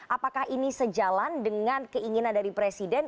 apakah ini sejalan dengan keinginan dari presiden